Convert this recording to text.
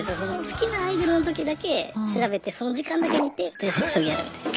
好きなアイドルの時だけ調べてその時間だけ見て将棋やるみたいな。